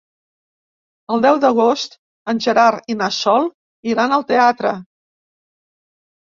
El deu d'agost en Gerard i na Sol iran al teatre.